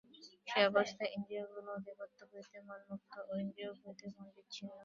সে-অবস্থায় ইন্দ্রিয়গুলির আধিপত্য হইতে মন মুক্ত এবং ইন্দ্রিয়গুলি হইতে মন বিচ্ছিন্ন।